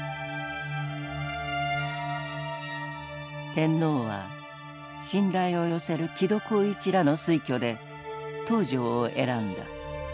天皇は信頼を寄せる木戸幸一らの推挙で東條を選んだ。